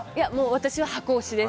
私は箱推しです。